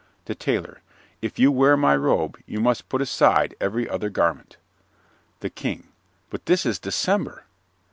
THE TAILOR If you wear my robe you must put aside every other garment. THE KING But this is December.